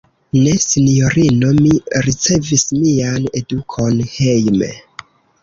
Ne, sinjorino; mi ricevis mian edukon hejme.